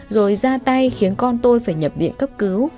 rồi ra tay khiến con tôi phải nhập viện cấp cứu